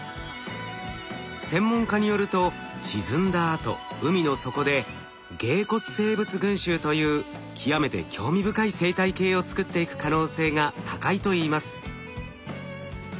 専門家によると沈んだあと海の底で鯨骨生物群集という極めて興味深い生態系を作っていく可能性が高いといいます。